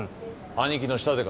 兄貴の下でか？